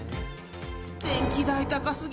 電気代、高すぎ。